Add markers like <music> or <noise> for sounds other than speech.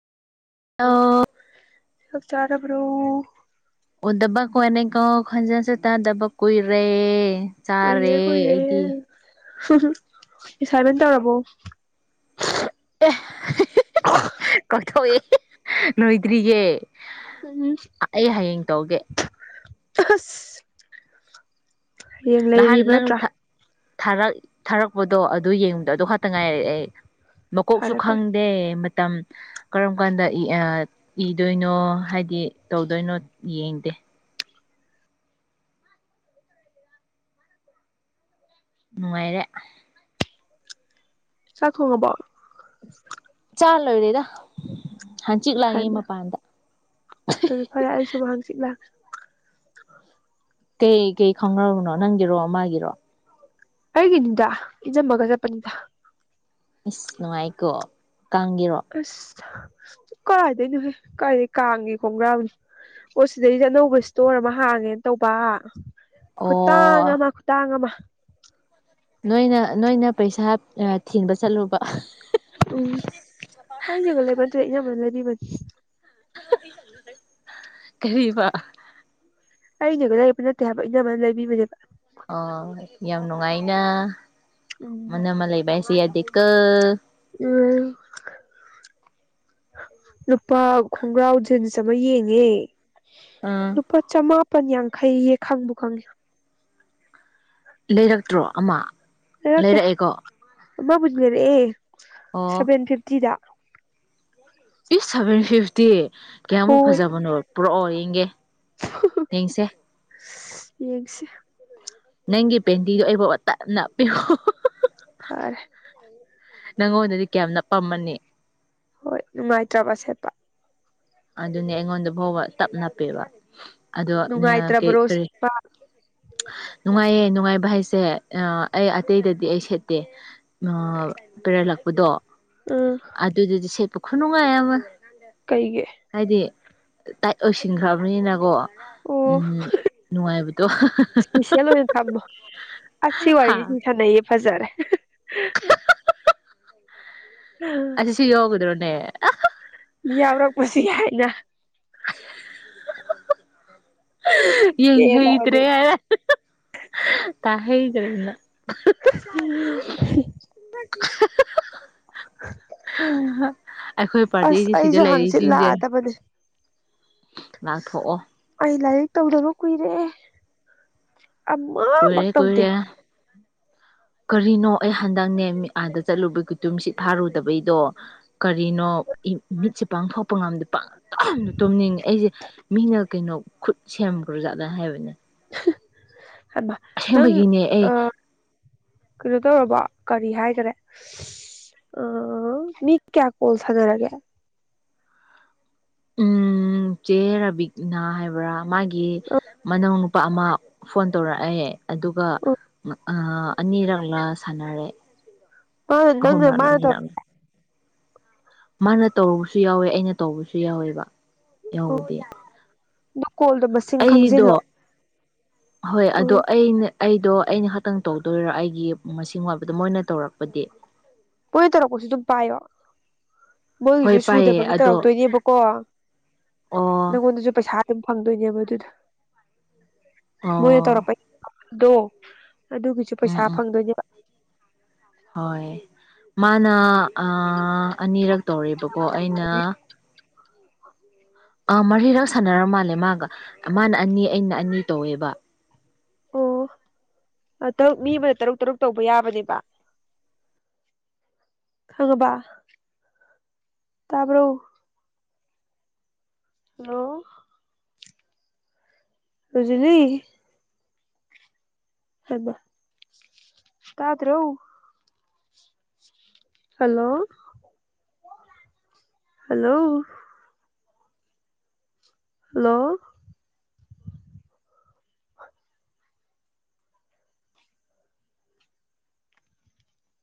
ꯑ ꯁ ꯆꯔꯕ꯭ꯔꯣ ꯑꯣ ꯗꯕꯥ ꯀ ꯑꯅꯤ ꯀ ꯈꯪꯖꯁꯦ ꯇ ꯗꯕꯥ ꯀꯏ ꯔꯦ ꯆꯥꯔꯦ ꯑꯩꯗꯤ ꯑꯦꯁꯥꯏꯃꯦꯟ ꯇꯔꯔꯕꯣ ꯑꯦ ꯀꯠꯇꯧꯋꯦ ꯅꯣꯏꯇ꯭ꯔꯤꯒꯦ ꯎꯝ ꯑꯩ ꯍꯌꯦꯡ ꯇꯧꯒꯦ ꯑꯁ ꯍꯌꯦꯡ ꯂꯩꯔꯤꯕ ꯅꯠꯇ꯭ꯔꯥ ꯛ ꯊꯥꯔꯛꯄꯗꯣ ꯑꯗꯨ ꯌꯦꯡ ꯑ ꯑꯗꯨ ꯈꯥꯛꯇ ꯉꯥꯏꯔꯛꯑꯦ ꯑꯩ ꯃꯀꯣꯛꯁꯨ ꯐꯔꯦ ꯐꯔꯦ ꯈꯪꯗꯦ ꯃꯇꯝ ꯀꯔꯝ ꯀꯥꯟꯗ ꯏꯗꯣꯏꯅꯣ ꯍꯥꯏꯗꯤ ꯇꯧꯗꯣꯏꯅꯣ ꯌꯦꯡꯗꯦ ꯅꯨꯡꯉꯥꯏꯔ ꯆꯥꯛ ꯈꯣꯡꯉꯕꯎ ꯆꯜ ꯑꯣꯏꯗꯦꯗ ꯍꯥꯏꯃ ꯑꯗꯨꯗꯤ ꯐꯔꯦ ꯑꯩꯁꯨ ꯍꯪꯆꯤꯠ ꯂꯥꯛ ꯀꯩ ꯀꯩ ꯈꯪꯕꯅꯣ ꯅꯪꯒꯤꯔꯣ ꯑꯃꯒꯤꯒꯤꯔꯣ ꯑꯩꯒꯤꯅꯤꯗ ꯏꯟꯖꯝꯃꯒ ꯆꯠꯄꯅꯤꯗ ꯏꯁꯁ ꯅꯨꯡꯉꯥꯏꯀꯣ ꯀꯥꯡꯒꯤꯔꯣ ꯀꯥꯏꯗꯣꯏꯅꯣꯍꯦ ꯀꯥꯏꯗꯒꯤꯩ ꯀꯥꯡꯉꯦ ꯈꯣꯡꯒ꯭ꯔꯥꯕꯅꯣ ꯑꯣ ꯁꯤꯗꯩꯁꯦ ꯑꯅꯧꯕ ꯏꯁꯇꯣꯔ ꯑꯃ ꯍꯥꯡꯉꯦꯅ ꯇꯧꯕ ꯑꯣ ꯈꯨꯠꯇꯥꯡꯉꯃ ꯈꯨꯠꯇꯥꯡꯉꯃ ꯅꯣꯏꯅ ꯅꯣꯏꯅ ꯄꯩꯁꯥ ꯊꯤꯟꯕ ꯆꯠꯂꯨꯕ ꯎꯝ ꯑꯩꯖꯒ ꯂꯩ ꯃꯟ ꯏꯩꯅ ꯃ ꯂꯩꯗꯤꯕꯅꯤ ꯀꯔꯤ ꯋꯥ ꯑꯩꯅꯦꯒ ꯂꯩ ꯌꯦꯛꯄ ꯅꯠꯇꯦ ꯍꯥꯏꯕ ꯏꯅꯝꯕꯅ ꯂꯩꯕꯤꯕꯅꯦꯕ ꯑꯣ ꯌꯥꯝ ꯅꯨꯡꯉꯥꯏꯅ ꯎꯝ ꯃꯅꯃ ꯂꯩꯕ ꯍꯥꯏꯁꯦ ꯌꯥꯗꯤꯛꯀ <unintelligible> ꯅꯨꯨꯄꯥ ꯈꯣꯡꯒ꯭ꯔꯥꯎ ꯖꯤꯟꯁ ꯑꯃ ꯌꯦꯡꯉꯦ ꯑꯥ ꯂꯨꯄꯥ ꯆꯃꯥꯄꯟ ꯌꯥꯡꯈꯩꯌꯦ ꯈꯪꯕ ꯈꯪꯉꯦ ꯂꯩꯔꯛꯇ꯭ꯔꯣ ꯑꯃ ꯂꯩꯔꯛꯑꯦꯀꯣ ꯑꯃꯕꯨꯟ ꯂꯩꯔꯛꯑꯦ ꯑꯣ ꯁꯚꯦꯟ ꯐꯤꯞꯇꯤꯗ ꯏꯁ ꯁꯚꯦꯟ ꯐꯤꯐꯇꯤ ꯀꯌꯥꯃꯨꯛ ꯍꯣꯏ ꯐꯖꯕꯅꯣ ꯄꯨꯔꯛꯑꯣ ꯌꯦꯡꯒꯦ ꯊꯦꯡꯁꯦ ꯌꯦꯡꯁꯦ ꯅꯪꯒꯤ ꯄꯦꯟꯇꯤꯗꯨ ꯑꯩꯕꯨꯛ ꯇꯞ ꯅꯞꯄꯤꯕꯨ ꯐꯔ‌ꯦ ꯅꯪꯉꯣꯟꯗꯗꯤ ꯀꯌꯥꯝ ꯅꯞꯄꯝꯃꯅꯤ ꯍꯣꯏ ꯅꯨꯡꯉꯥꯏꯇ꯭ꯔꯕ ꯁꯦꯠꯄ ꯑꯗꯨꯅꯦ ꯑꯩꯉꯣꯟꯗ ꯐꯥꯎꯕ ꯇꯞꯅꯞꯄꯦꯕ ꯑꯗꯣ ꯀ ꯅꯨꯡꯉꯥꯏꯇ꯭ꯔꯕ꯭ꯔꯣ ꯀꯔꯤ ꯁꯦꯠꯄ ꯅꯨꯡꯉꯥꯏꯌꯦ ꯅꯨꯡꯉꯥꯏꯕ ꯍꯥꯏꯁꯦ ꯑꯩ ꯑꯇꯩꯗꯗꯤ ꯑꯩ ꯁꯦꯠꯇꯦ ꯑꯥ ꯄꯦꯔꯂꯛꯄ ꯄꯗꯣ ꯎꯝ ꯑꯗꯨꯗꯗꯤ ꯁꯦꯠꯄ ꯈꯨꯅꯨꯡꯉꯥꯏ ꯑꯃꯥ ꯀꯩꯒꯦ ꯇꯠ ꯑꯣꯏꯁꯤꯟꯈ꯭ꯔꯕꯅꯤꯅ ꯀꯣ ꯎꯝ ꯑꯣ ꯅꯨꯡꯉꯥꯏꯕꯗꯣ ꯏꯁꯄꯤꯁꯦꯜ ꯑꯣꯏꯅ ꯊꯝꯃꯣ ꯑꯁ ꯁꯤ ꯋꯥꯔꯤꯒꯤꯁꯤ ꯍꯥ ꯁꯨꯝ ꯁꯅꯩꯌ‌ꯦ ꯐꯖꯔꯦ ꯑꯁꯤ ꯍꯒꯗ꯭ꯔꯣꯅꯦ ꯃꯤ ꯌꯥꯎꯔꯛꯄꯁꯨ ꯌꯥꯏꯅ ꯌꯦꯡ ꯄꯦꯜꯂꯕꯅꯤ ꯍꯩꯗ꯭ꯔꯦ ꯍꯥꯔꯛꯑꯅꯤ ꯇꯥ ꯍꯩꯗꯔ‌ꯦꯅꯥ ꯑꯩꯈꯣꯏ ꯑꯁ ꯄꯥꯔꯇꯤꯖꯤ ꯁꯤꯗ ꯑꯩꯁꯨ ꯍꯥꯡꯆꯤꯠ ꯂꯩꯔꯤꯁꯤꯡꯁꯦ ꯂꯥꯛꯑꯗꯕꯅꯦ ꯉꯥꯛꯊꯣꯛꯑꯣ ꯑꯩ ꯂꯥꯏꯔꯤꯛ ꯇꯧꯗꯕ ꯀꯨꯏꯔꯦ ꯑꯃꯕꯨꯛ ꯀꯨꯏꯔꯦ ꯇꯧꯗꯦ ꯀꯨꯏꯔꯦ <inaudible> ꯀꯔꯤꯅꯣ ꯑꯩ ꯍꯟꯗꯛꯅꯦ ꯑꯥꯗ ꯆꯠꯂꯨꯕꯒꯤꯇꯨꯝ ꯁꯤꯠ ꯐꯥꯔꯨꯗꯕꯩꯗꯣ ꯀꯔꯤꯅꯣ ꯃꯤꯠꯁꯦ ꯄꯥꯡꯊꯣꯛꯄ ꯉꯝꯗꯦ ꯄꯪ ꯇꯨꯝꯗ ꯇꯨꯝꯅꯤꯡꯉꯦ ꯑꯩꯁꯦ ꯃꯤꯅ ꯀꯩꯅꯣ ꯈꯨꯠ ꯁꯦꯝ ꯖꯟꯈꯔꯥ ꯖꯥꯠꯂꯥ ꯍꯥꯏꯕꯅꯦ ꯑꯃ ꯅꯪ ꯑꯁꯦꯡꯕꯒꯤꯅꯦ ꯑꯩ ꯑꯥ ꯀꯩꯅꯣ ꯇꯧꯔꯕꫭ ꯀꯔꯤ ꯍꯥꯏꯈꯔꯦ ꯑ ꯃꯤ ꯀꯌꯥ ꯀꯣꯜꯁꯅꯔꯒꯦ ꯎꯝ ꯎꯝ ꯆꯦ ꯔꯥꯕꯤꯛꯅꯥ ꯍꯥꯏꯕ꯭ꯔꯥ ꯃꯥꯒꯤ ꯃꯅꯎ ꯅꯨꯄꯥ ꯑꯃ ꯐꯣꯟ ꯇꯧꯔꯛꯑꯦ ꯑꯗꯨꯒ ꯎ ꯑꯅꯤꯔꯛꯂ ꯁꯥꯟꯅꯔꯦ ꯃꯥꯅ ꯑꯍꯨꯝ ꯅꯪꯅ ꯂꯕꯗꯥ ꯃꯥꯅ ꯑꯅꯤ ꯂꯩꯛꯂꯥ ꯃꯥꯅ ꯇꯧꯔꯨꯕꯁꯨ ꯌꯥꯎꯋꯦ ꯑꯩꯅ ꯇꯧꯕꯁꯨ ꯌꯥꯎꯋꯦꯕ ꯌꯥꯎꯧꯕꯗꯤ ꯇꯧꯔ ꯀꯣꯜꯗꯣ ꯃꯁꯤꯡ ꯑꯩꯗꯣ ꯈꯪꯖꯤꯜꯂꯣ ꯍꯣꯏ ꯑꯗꯣ ꯎꯝ ꯑꯩꯅ ꯑꯩꯗꯣ ꯑꯩꯅ ꯈꯥꯛꯇꯪ ꯇꯧꯗꯣꯏꯔ ꯑꯩꯒꯤ ꯃꯁꯤꯡ ꯋꯥꯠꯄꯗꫭ ꯃꯣꯏꯅ ꯇꯧꯔꯛꯄꯗꯤ ꯃꫭꯏꯅꯥ ꯇꯔꯛꯄꯁꯨ ꯑꯗꯨꯝ ꯄꯥꯌ‌ꯦ ꯍꯣꯏ ꯃꯣꯏꯒꯤꯁꯨ ꯄꯥꯏꯌꯦ ꯁꯨꯗꯕꯒꯤ ꯑꯗꯣ ꯇꯧꯔꯛꯇꯣꯏꯅꯦꯕꯀꯣ ꯑꯣ ꯅꯪꯉꯣꯟꯗꯁꯨ ꯄꯩꯁꯥ ꯑꯗꯨꯝ ꯐꯪ ꯑꯗꯨꯅꯦꯕ ꯑꯗꯨꯗ ꯃꯣꯏꯅ ꯑꯣ ꯇꯧꯔꯛꯄꯗꯣ ꯑꯗꯨꯒꯤꯁꯨ ꯎꯝ ꯄꯩꯁꯥ ꯎꯝ ꯐꯪꯗꯣꯏꯅꯦꯕ ꯍꯣꯏ ꯃꯥꯅ ꯑꯥ ꯑꯅꯤꯔꯛ ꯇꯧꯔꯦꯕꯀꯣ ꯑꯩꯅ ꯑꯥ ꯃꯔꯤꯔꯛ ꯁꯥꯟꯅꯔꯝ ꯃꯥꯜꯂꯦ ꯃꯥꯒ ꯃꯥꯅ ꯑꯅꯤ ꯑꯩꯅ ꯑꯅꯤ ꯇꯧꯋꯦꯕ ꯑꯣ ꯇꯔꯨꯛ ꯃꯤ ꯑꯃꯅ ꯇꯔꯨꯛ ꯇꯔꯨꯛ ꯇꯧꯕ ꯌꯥꯕꯅꯦꯕ ꯈꯉꯕ ꯇꯕꯔꯣ ꯍꯜꯂꫭ ꯍꯧꯖꯤꯅꯤ <unintelligible> ꯍꯩꯄꯥ ꯇꯗꯔꫭ ꯍꯜꯂꯣ ꯍꯜꯂꯣ ꯍꯜꯂꯣ